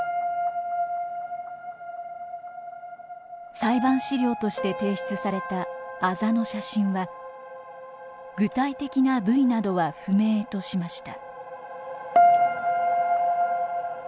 裁判資料として提出されたあざの写真は「具体的な部位などは不明」としました。